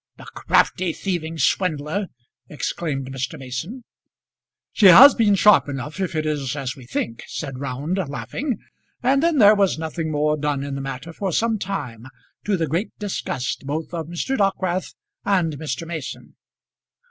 "The crafty, thieving swindler!" exclaimed Mr. Mason. "She has been sharp enough if it is as we think," said Round, laughing; and then there was nothing more done in the matter for some time, to the great disgust both of Mr. Dockwrath and Mr. Mason.